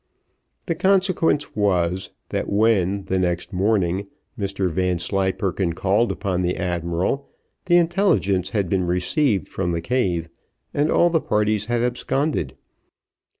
The consequence was, that when, the next morning, Mr Vanslyperken called upon the admiral, the intelligence had been received from the cave, and all the parties had absconded.